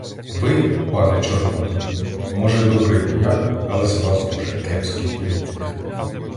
— Ви, пане Чорнота, може, добрий вояк, але з вас дуже кепський політик.